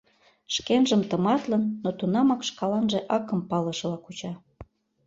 Шкенжым тыматлын, но тунамак шкаланже акым палышыла куча.